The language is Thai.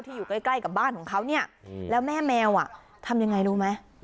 อยู่ใกล้กับบ้านของเขาเนี่ยแล้วแม่แมวทำยังไงรู้ไหม